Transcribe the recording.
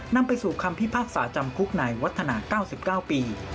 นำไปสู่คำพิพากษาจำคุกนายวัฒนา๙๙ปี